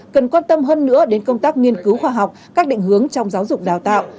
cần quan tâm hơn nữa đến công tác nghiên cứu khoa học các định hướng trong giáo dục đào tạo